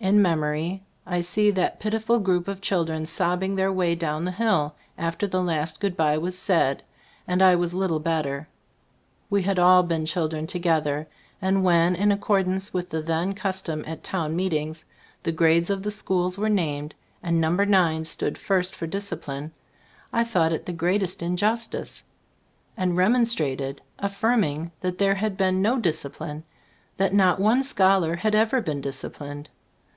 In memory I see that pitiful group of children sobbing their way down the hill after the last good bye was said, and I was little better. We had all been children together, and when, in accordance with the then cus tom at town meetings, the grades of the schools were named and No. 9 stood first for discipline, I thought it the greatest injustice, and remon strated, affirming that there had been no discipline, that not one scholar had ever been disciplined.